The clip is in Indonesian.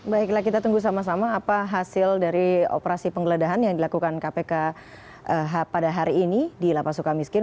baiklah kita tunggu sama sama apa hasil dari operasi penggeledahan yang dilakukan kpk pada hari ini di lapas suka miskin